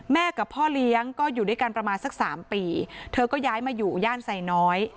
กับพ่อเลี้ยงก็อยู่ด้วยกันประมาณสักสามปีเธอก็ย้ายมาอยู่ย่านไซน้อย